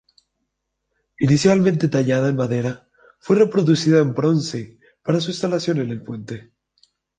Inicialmente tallada en madera, fue reproducida en bronce para su instalación en el puente.